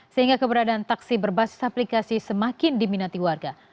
sehingga keberadaan taksi berbasis aplikasi semakin diminati warga